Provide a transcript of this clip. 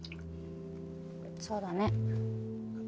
そうだね。